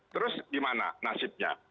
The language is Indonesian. terus di mana nasibnya